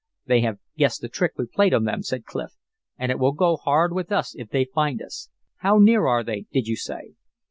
"They have guessed the trick we played on them," said Clif, "and it will go hard with us if they find us. How near are they, did you say?"